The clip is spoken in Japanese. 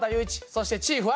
そしてチーフは。